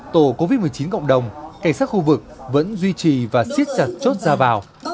tổ covid một mươi chín cộng đồng cảnh sát khu vực vẫn duy trì và siết chặt chốt ra vào